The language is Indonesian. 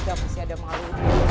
dam masih ada malu